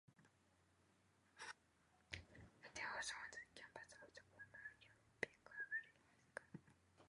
It is housed on the campus of the former Ellwood P. Cubberley High School.